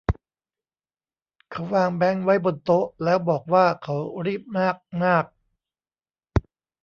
เขาวางแบงค์ไว้บนโต๊ะแล้วบอกว่าเขารีบมากมาก